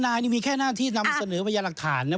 นายนี่มีแค่หน้าที่นำเสนอพยาหลักฐานนะ